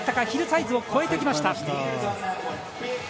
ヒルサイズを越えてきました。